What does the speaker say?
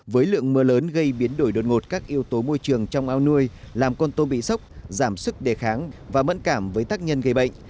với lượng mưa lớn gây biến đổi đột ngột các yếu tố môi trường trong ao nuôi làm con tôm bị sốc giảm sức đề kháng và mẫn cảm với tác nhân gây bệnh